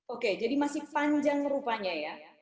oke jadi masih panjang rupanya ya